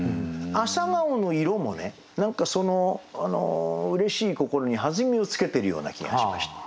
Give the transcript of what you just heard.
朝顔の色もね何かそのうれしい心に弾みをつけてるような気がしました。